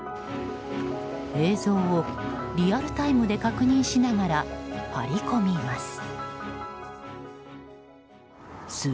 映像をリアルタイムで確認しながら張り込みます。